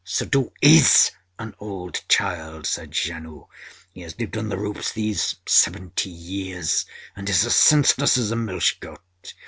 â âSuddhoo IS an old child,â said Janoo. âHe has lived on the roofs these seventy years and is as senseless as a milch goat.